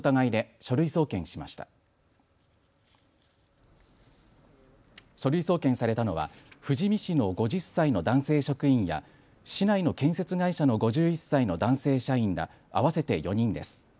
書類送検されたのは富士見市の５０歳の男性職員や市内の建設会社の５１歳の男性社員ら合わせて４人です。